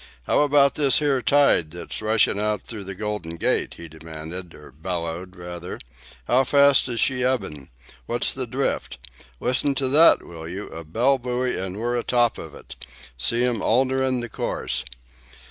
"How about this here tide that's rushin' out through the Golden Gate?" he demanded, or bellowed, rather. "How fast is she ebbin'? What's the drift, eh? Listen to that, will you? A bell buoy, and we're a top of it! See 'em alterin' the course!"